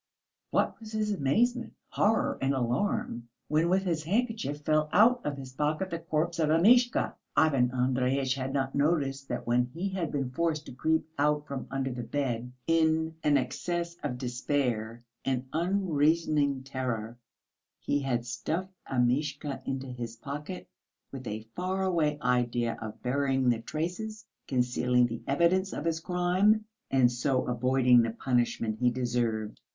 What was his amazement, horror and alarm when with his handkerchief fell out of his pocket the corpse of Amishka. Ivan Andreyitch had not noticed that when he had been forced to creep out from under the bed, in an access of despair and unreasoning terror he had stuffed Amishka into his pocket with a far away idea of burying the traces, concealing the evidence of his crime, and so avoiding the punishment he deserved.